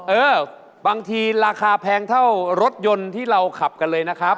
เออบางทีราคาแพงเท่ารถยนต์ที่เราขับกันเลยนะครับ